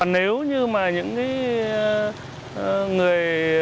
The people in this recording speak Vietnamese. nếu như mà những người